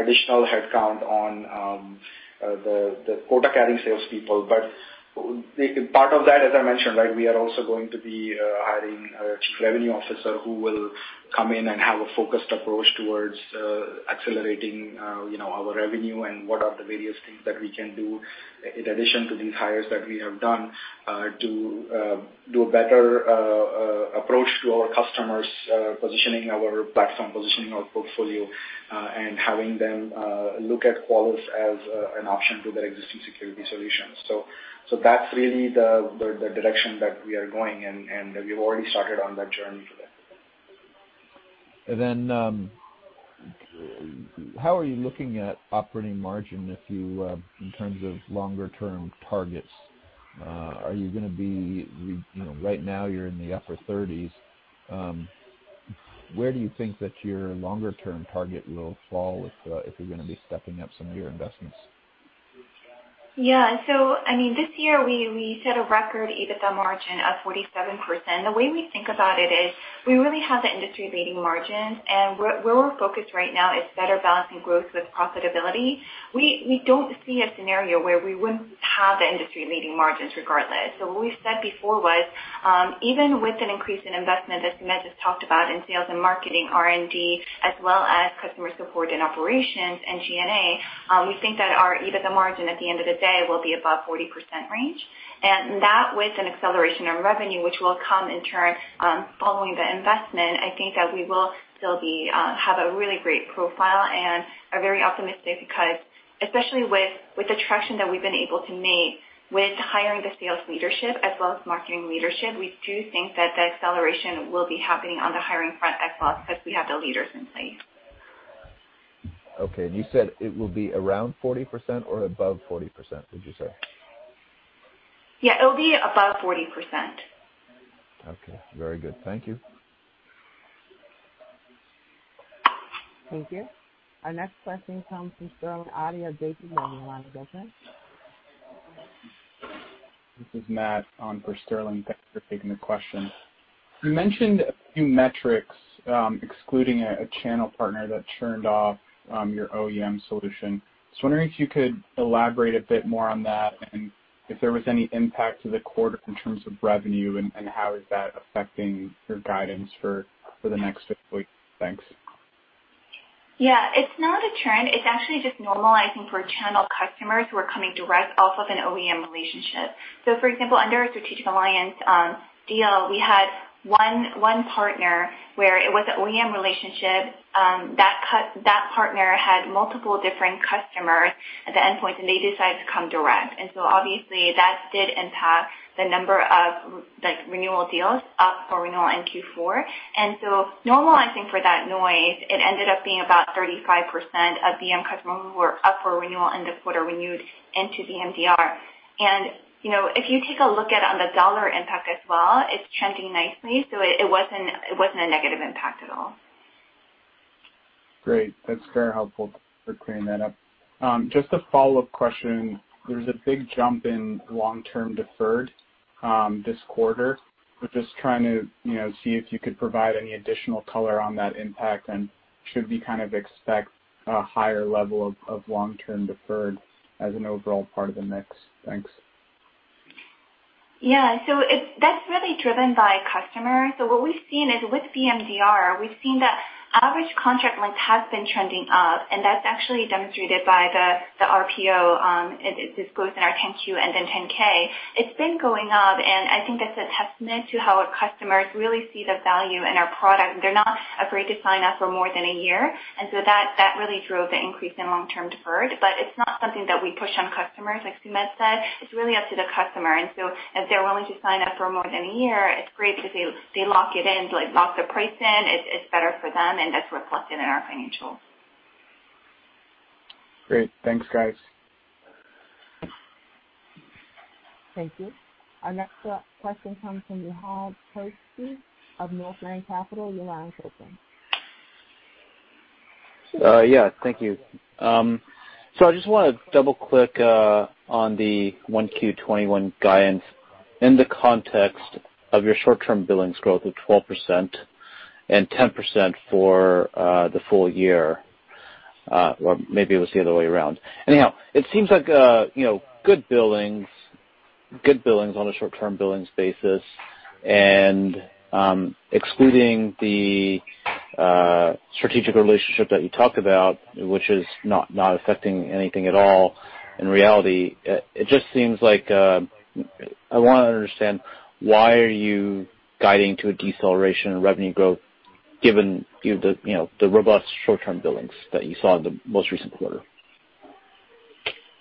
additional headcount on the quota-carrying salespeople. Part of that, as I mentioned, we are also going to be hiring a Chief Revenue Officer who will come in and have a focused approach towards accelerating our revenue and what are the various things that we can do in addition to these hires that we have done, to do a better approach to our customers, positioning our platform, positioning our portfolio, and having them look at Qualys as an option to their existing security solutions. That's really the direction that we are going, and we've already started on that journey for that. How are you looking at operating margin in terms of longer-term targets? Right now you're in the upper 30s. Where do you think that your longer-term target will fall if you're going to be stepping up some of your investments? This year we set a record EBITDA margin of 47%. The way we think about it is we really have the industry-leading margins, and where we're focused right now is better balancing growth with profitability. We don't see a scenario where we wouldn't have the industry-leading margins regardless. What we said before was, even with an increase in investment, as Sumedh just talked about in sales and marketing, R&D, as well as customer support and operations and G&A, we think that our EBITDA margin at the end of the day will be above 40% range. That with an acceleration of revenue, which will come in turn following the investment, I think that we will still have a really great profile and are very optimistic because especially with the traction that we've been able to make with hiring the sales leadership as well as marketing leadership, we do think that the acceleration will be happening on the hiring front as well, because we have the leaders in place. Okay. You said it will be around 40% or above 40%, did you say? Yeah, it'll be above 40%. Okay. Very good. Thank you. Thank you. Our next question comes from Sterling Auty, JPMorgan. Your line is open. This is Matt on for Sterling. Thanks for taking the question. You mentioned a few metrics, excluding a channel partner that churned off your OEM solution. Just wondering if you could elaborate a bit more on that and if there was any impact to the quarter in terms of revenue and how is that affecting your guidance for the next? Thanks. Yeah. It's not a trend. It's actually just normalizing for channel customers who are coming direct off of an OEM relationship. For example, under a strategic alliance deal, we had one partner where it was an OEM relationship. That partner had multiple different customers at the endpoint, and they decided to come direct. Obviously that did impact the number of renewal deals up for renewal in Q4. Normalizing for that noise, it ended up being about 35% of VM customers who were up for renewal end of quarter renewed into VMDR. If you take a look at on the dollar impact as well, it's trending nicely. It wasn't a negative impact at all. Great. That's very helpful for clearing that up. Just a follow-up question. There's a big jump in long-term deferred this quarter. Was just trying to see if you could provide any additional color on that impact and should we expect a higher level of long-term deferred as an overall part of the mix? Thanks. Yeah. That's really driven by customers. What we've seen is with VMDR, we've seen that average contract length has been trending up and that's actually demonstrated by the RPO. It disclosed in our 10-Q and then 10-K. It's been going up and I think that's a testament to how our customers really see the value in our product. They're not afraid to sign up for more than a year, that really drove the increase in long-term deferred. It's not something that we push on customers like Sumedh said, it's really up to the customer. If they're willing to sign up for more than a year, it's great because they lock it in, like lock the price in. It's better for them and that's reflected in our financials. Great. Thanks, guys. Thank you. Our next question comes from Nehal Chokshi of Northland Capital. Your line is open. Thank you. I just want to double-click on the Q1 2021 guidance in the context of your short-term billings growth of 12% and 10% for the full year. Maybe it was the other way around. Anyhow, it seems like good billings on a short-term billings basis and excluding the strategic relationship that you talked about, which is not affecting anything at all in reality. I want to understand why are you guiding to a deceleration in revenue growth given the robust short-term billings that you saw in the most recent quarter?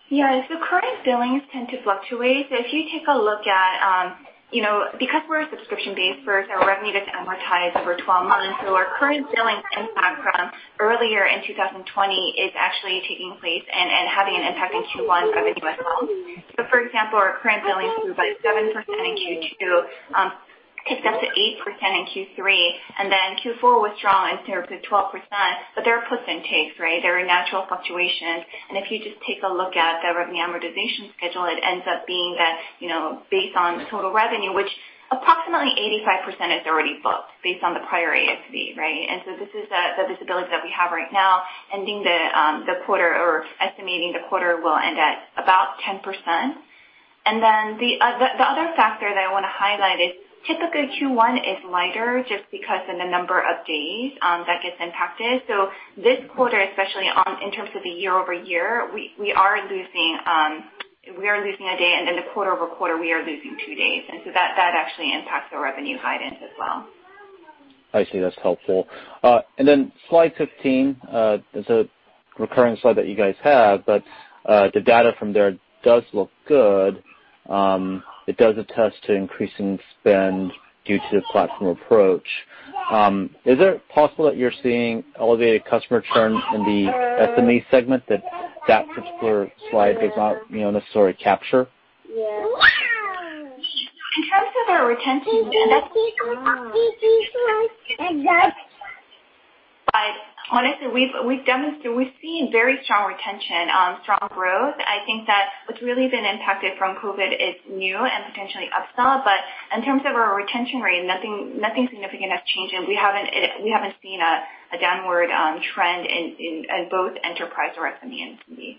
Yeah. Current billings tend to fluctuate. If you take a look at, because we're a subscription-based service, our revenue is amortized over 12 months. Our current billings impact from earlier in 2020 is actually taking place and having an impact in Q1 revenue as well. For example, our current billings grew by 7% in Q2, ticked up to 8% in Q3, and then Q4 withdraw and compared to 12%, but there are puts and takes, right? There are natural fluctuations, and if you just take a look at the revenue amortization schedule, it ends up being that based on the total revenue, which approximately 85% is already booked based on the prior ASP. Right? This is the visibility that we have right now, ending the quarter or estimating the quarter will end at about 10%. The other factor that I want to highlight is typically Q1 is lighter just because in the number of days that gets impacted. This quarter, especially in terms of the year-over-year, we are losing a day, and in the quarter-over-quarter, we are losing two days. That actually impacts the revenue guidance as well. I see. That's helpful. Slide 15 is a recurring slide that you guys have, but the data from there does look good. It does attest to increasing spend due to the platform approach. Is it possible that you're seeing elevated customer churn in the SME segment that particular slide does not necessarily capture? In terms of our retention spend, honestly, we've seen very strong retention, strong growth. I think that what's really been impacted from COVID is new and potentially upsell. In terms of our retention rate, nothing significant has changed, and we haven't seen a downward trend in both enterprise or SME.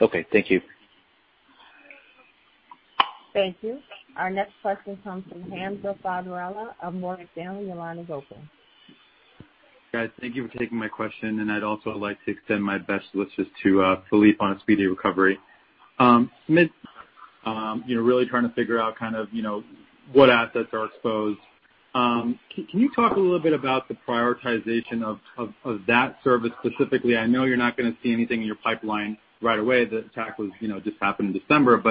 Okay. Thank you. Thank you. Our next question comes from Hamza Fodderwala of Morgan Stanley. Your line is open. Guys, thank you for taking my question, and I'd also like to extend my best wishes to Philippe on a speedy recovery. Sumedh, really trying to figure out kind of what assets are exposed. Can you talk a little bit about the prioritization of that service specifically? I know you're not going to see anything in your pipeline right away. The attack just happened in December.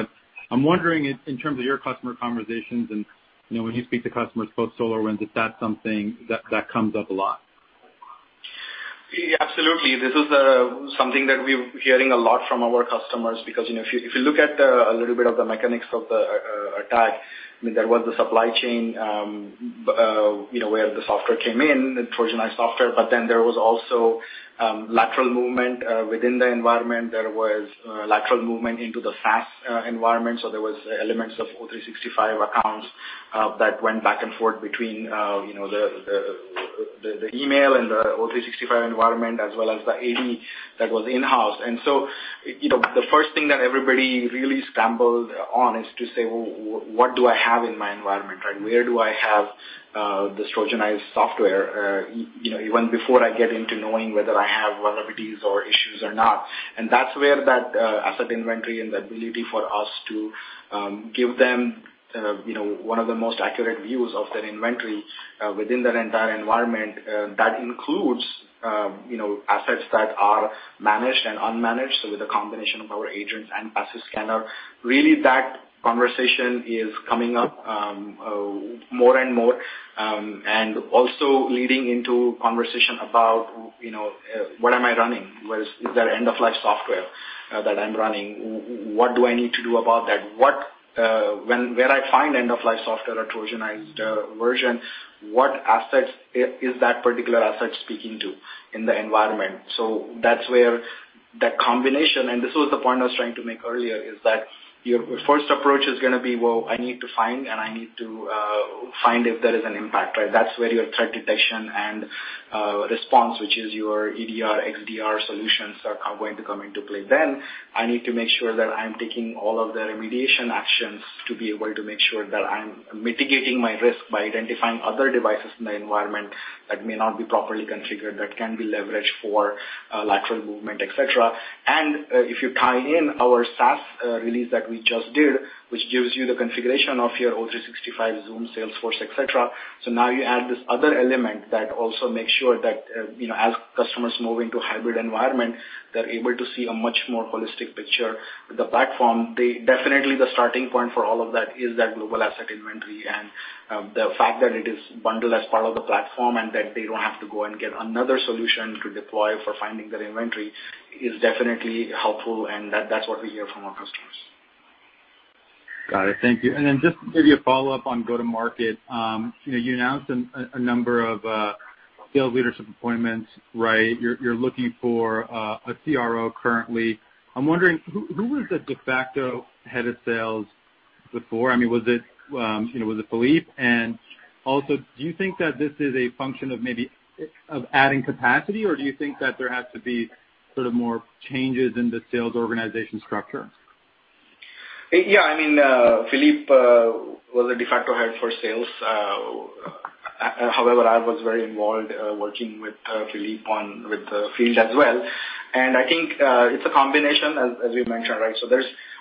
I'm wondering in terms of your customer conversations and when you speak to customers, both SolarWinds, is that something that comes up a lot? Yeah, absolutely. This is something that we're hearing a lot from our customers because if you look at a little bit of the mechanics of the attack, I mean, there was the supply chain where the software came in, the trojanized software. There was also lateral movement within the environment. There was lateral movement into the SaaS environment. There was elements of O365 accounts that went back and forth between the email and the O365 environment as well as the AD that was in-house. The first thing that everybody really scrambled on is to say, "Well, what do I have in my environment? Where do I have this trojanized software even before I get into knowing whether I have vulnerabilities or issues or not? That's where that asset inventory and the ability for us to give them one of the most accurate views of their inventory within their entire environment, that includes assets that are managed and unmanaged. With a combination of our agents and passive scanner, really that conversation is coming up more and more, and also leading into conversation about, what am I running? Is there end-of-life software that I'm running? What do I need to do about that? Where I find end-of-life software or trojanized version, what assets is that particular asset speaking to in the environment? That's where that combination, and this was the point I was trying to make earlier, is that your first approach is going to be, well, I need to find, and I need to find if there is an impact? That's where your threat detection and response, which is your EDR, XDR solutions are going to come into play. I need to make sure that I'm taking all of the remediation actions to be able to make sure that I'm mitigating my risk by identifying other devices in the environment that may not be properly configured, that can be leveraged for lateral movement, et cetera. If you tie in our SaaS release that we just did, which gives you the configuration of your O365, Zoom, Salesforce, et cetera. Now you add this other element that also makes sure that as customers move into a hybrid environment, they're able to see a much more holistic picture with the platform. Definitely the starting point for all of that is that Global IT Asset Inventory and the fact that it is bundled as part of the platform and that they don't have to go and get another solution to deploy for finding their inventory is definitely helpful, and that's what we hear from our customers. Then just maybe a follow-up on go-to-market. You announced a number of sales leadership appointments, right? You're looking for a CRO currently. I'm wondering, who was the de facto head of sales before? I mean, was it Philippe? Also, do you think that this is a function of maybe of adding capacity, or do you think that there has to be sort of more changes in the sales organization structure? Yeah. I mean, Philippe was the de facto head for sales. However, I was very involved working with Philippe with the field as well. I think it's a combination, as we mentioned, right?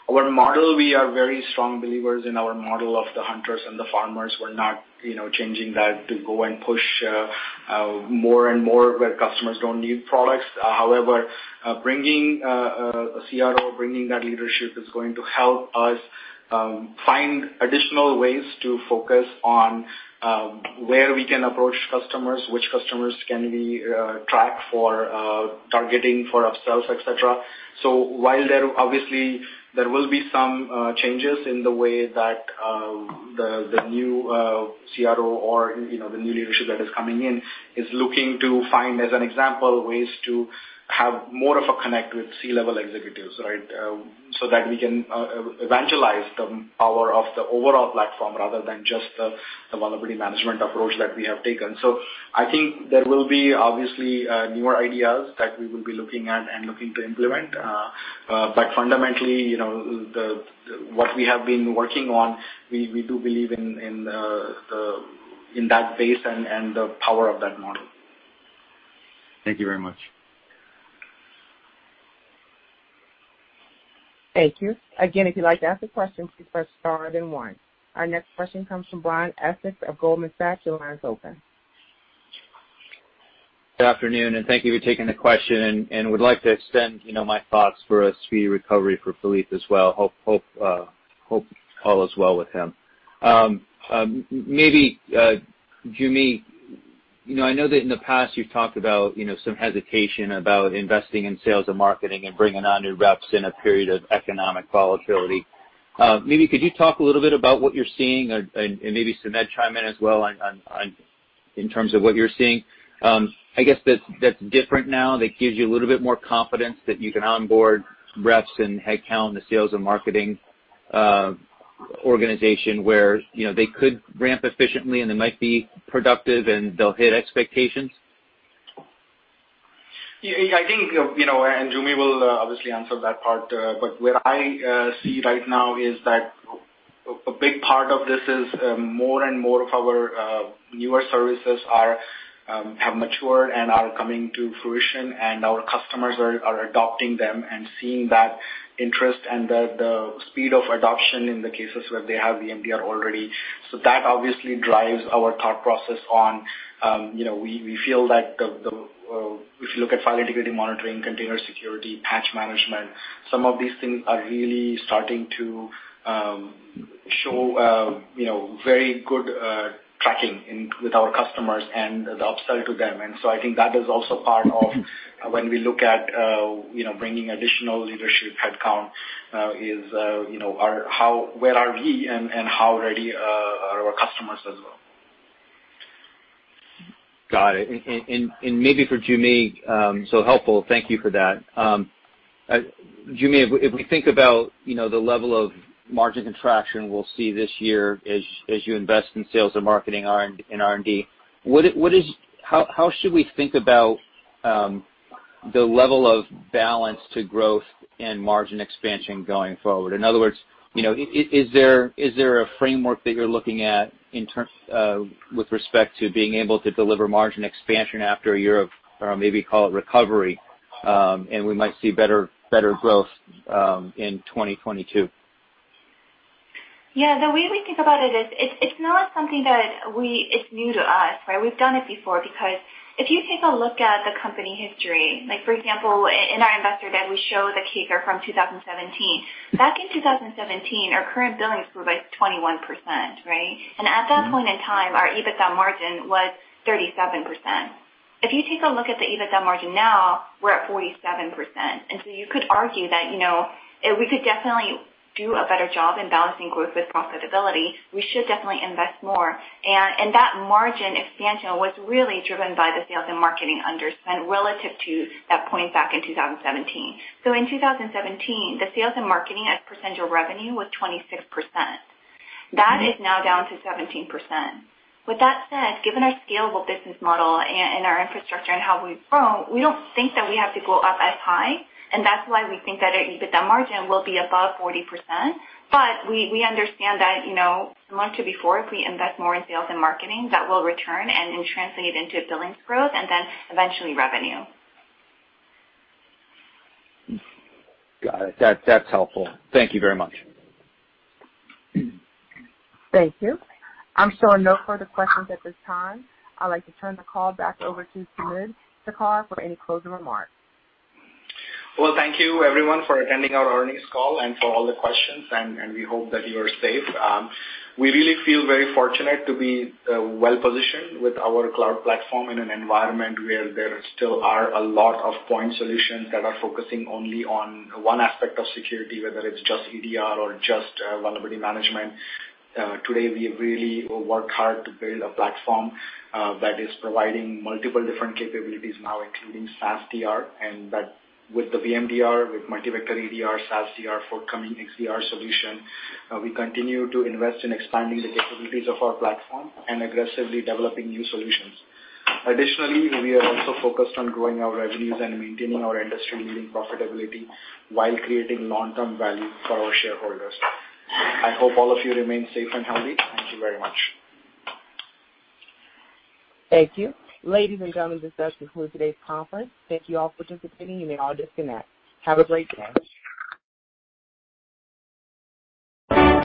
Our model, we are very strong believers in our model of the hunters and the farmers. We're not changing that to go and push more and more where customers don't need products. However, bringing a CRO, bringing that leadership is going to help us find additional ways to focus on where we can approach customers, which customers can we track for targeting for upsells, et cetera. While there obviously there will be some changes in the way that the new CRO or the new leadership that is coming in is looking to find, as an example, ways to have more of a connect with C-level executives, so that we can evangelize the power of the overall platform rather than just the vulnerability management approach that we have taken. I think there will be obviously newer ideas that we will be looking at and looking to implement. Fundamentally, what we have been working on, we do believe in that base and the power of that model. Thank you very much. Thank you. Again, if you'd like to ask a question, please press star then one. Our next question comes from Brian Essex of Goldman Sachs. Your line is open. Good afternoon, and thank you for taking the question, and would like to extend my thoughts for a speedy recovery for Philippe as well. Hope all is well with him. Joo Mi, I know that in the past you've talked about some hesitation about investing in sales and marketing and bringing on new reps in a period of economic volatility. Could you talk a little bit about what you're seeing, and Sumedh chime in as well in terms of what you're seeing, I guess that's different now, that gives you a little bit more confidence that you can onboard reps and headcount the sales and marketing organization where they could ramp efficiently and they might be productive and they'll hit expectations. I think Joo Mi will obviously answer that part, what I see right now is that a big part of this is more and more of our newer services have matured and are coming to fruition, and our customers are adopting them and seeing that interest and the speed of adoption in the cases where they have the MDR already. That obviously drives our thought process on, we feel that if you look at file integrity monitoring, Container Security, Patch Management, some of these things are really starting to show very good tracking with our customers and the upsell to them. I think that is also part of when we look at bringing additional leadership headcount is where are we and how ready are our customers as well. Got it. Maybe for Joo Mi, so helpful. Thank you for that. Joo Mi, if we think about the level of margin contraction we'll see this year as you invest in sales and marketing and R&D, how should we think about the level of balance to growth and margin expansion going forward? In other words, is there a framework that you're looking at with respect to being able to deliver margin expansion after a year of, or maybe call it recovery, and we might see better growth in 2022? The way we think about it is, it's not something that is new to us. We've done it before because if you take a look at the company history, like for example, in our investor deck, we show the CAGR from 2017. Back in 2017, our current billings grew by 21%. At that point in time, our EBITDA margin was 37%. If you take a look at the EBITDA margin now, we're at 47%. You could argue that, we could definitely do a better job in balancing growth with profitability. We should definitely invest more. That margin expansion was really driven by the sales and marketing underspend relative to that point back in 2017. In 2017, the sales and marketing as percentage of revenue was 26%. That is now down to 17%. With that said, given our scalable business model and our infrastructure and how we've grown, we don't think that we have to go up as high, and that's why we think that our EBITDA margin will be above 40%. We understand that, similar to before, if we invest more in sales and marketing, that will return and translate into billings growth and then eventually revenue. Got it. That's helpful. Thank you very much. Thank you. I'm showing no further questions at this time. I'd like to turn the call back over to Sumedh for any closing remarks. Well, thank you everyone for attending our earnings call and for all the questions, and we hope that you are safe. We really feel very fortunate to be well-positioned with our cloud platform in an environment where there still are a lot of point solutions that are focusing only on one aspect of security, whether it's just EDR or just vulnerability management. Today, we really work hard to build a platform that is providing multiple different capabilities now, including SaaS DR, and that with the VMDR, with Multi-Vector EDR, SaaS DR, forthcoming XDR solution, we continue to invest in expanding the capabilities of our platform and aggressively developing new solutions. Additionally, we are also focused on growing our revenues and maintaining our industry-leading profitability while creating long-term value for our shareholders. I hope all of you remain safe and healthy. Thank you very much. Thank you. Ladies and gentlemen, this does conclude today's conference. Thank you all for participating. You may all disconnect. Have a great day.